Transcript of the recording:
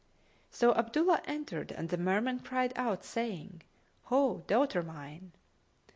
So Abdullah entered and the Merman cried out, saying, "Ho, daughter mine!"